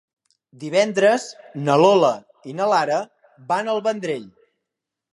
Divendres na Lola i na Lara van al Vendrell.